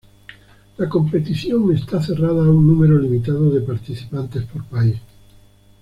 La competición está cerrada a un número limitado de participantes por país.